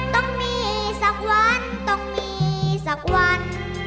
ต้องมีสักวันต้องมีสักวัน